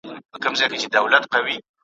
چي دروازې وي د علم بندي `